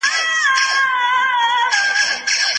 ټولنه د ګډ عقل محصول ده.